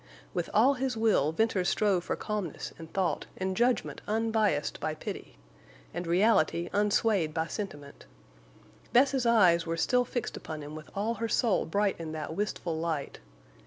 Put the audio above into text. With all his will Venters strove for calmness and thought and judgment unbiased by pity, and reality unswayed by sentiment. Bess's eyes were still fixed upon him with all her soul bright in that wistful light.